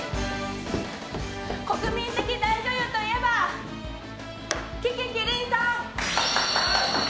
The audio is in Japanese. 国民的大女優といえば樹木希林さん！